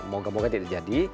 moga moga tidak jadi